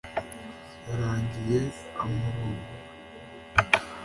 yarangije amurongora